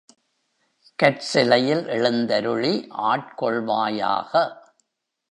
கற்சிலையில் எழுந்தருளி ஆட்கொள் வாயாக!